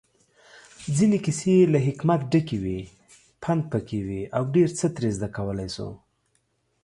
ځينې کيسې له حکمت ډکې وي، پندپکې وي اوډيرڅه ترې زده کولی شو